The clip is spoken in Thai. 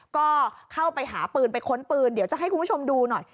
ก็เข้าไปหาปืนไปค้นปืนเดี๋ยวจะให้คุณผู้ชมดูหน่อย